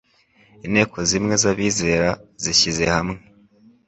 inteko zimwe z'abizera zishyize hamwe